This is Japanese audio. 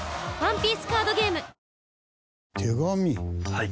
はい。